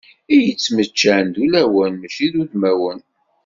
I yettmeččan d ulawen mačči d udmawen.